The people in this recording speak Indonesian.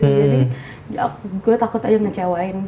jadi gue takut aja ngecewain